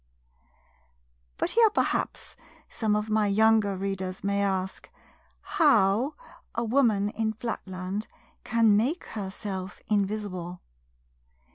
But here, perhaps, some of my younger Readers may ask HOW a woman in Flatland can make herself invisible.